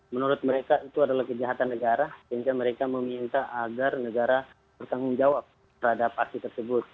menurut mereka itu adalah kejahatan negara sehingga mereka meminta agar negara bertanggung jawab